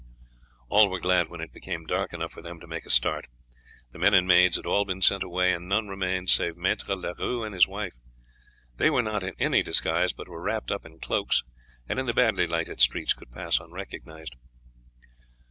All were glad when it became dark enough for them to make a start. The men and maids had all been sent away, and none remained save Maître Leroux and his wife. They were not in any disguise, but were wrapped up in cloaks, and in the badly lighted streets could pass unrecognized.